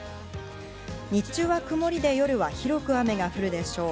日中は曇りで、夜は広く雨が降るでしょう。